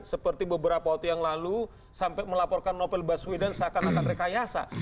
seperti beberapa waktu yang lalu sampai melaporkan novel baswedan seakan akan rekayasa